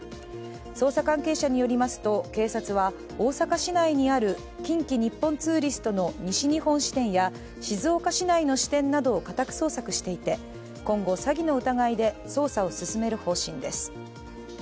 捜査関係者によりますと警察は大阪市内にある近畿日本ツーリストの西日本支店や静岡市内の支店などを家宅捜索していて今後、詐欺の疑いで捜査を進める方針です